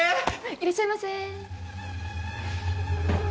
いらっしゃいませ。